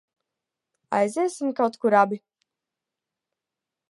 Aiziesim kaut kur abi?